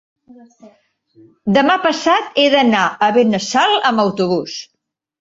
Demà passat he d'anar a Benassal amb autobús.